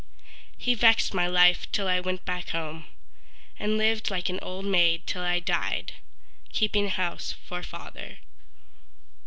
He vexed my life till I went back home And lived like an old maid till I died, Keeping house for father.